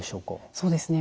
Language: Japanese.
そうですね。